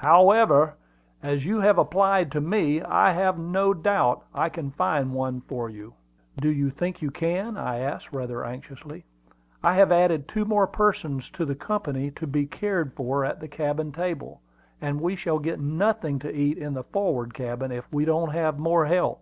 "However, as you have applied to me, I have no doubt I can find one for you." "Do you think you can?" I asked, rather anxiously. "I have added two more persons to the company to be cared for at the cabin table, and we shall get nothing to eat in the forward cabin if we don't have more help."